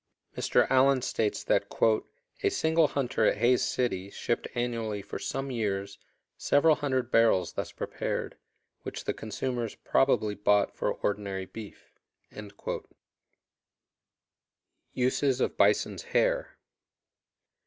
Mr. Allen states that "a single hunter at Hays City shipped annually for some years several hundred barrels thus prepared, which the consumers probably bought for ordinary beef." _Uses of bison's hair.